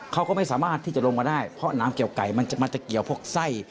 เขาก็ไม่สามารถที่จะลงมาได้เพราะน้ำเกี่ยวไก่มันจะเกี่ยวพวกไส้